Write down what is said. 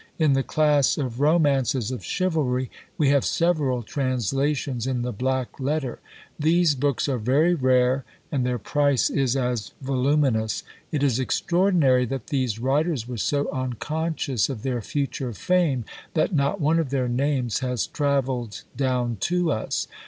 In the class of romances of chivalry, we have several translations in the black letter. These books are very rare, and their price is as voluminous. It is extraordinary that these writers were so unconscious of their future fame, that not one of their names has travelled down to us.